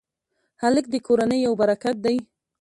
هلک د کورنۍ یو برکت دی.